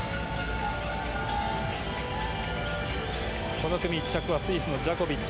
この組１着はスイスのジャコビッチ。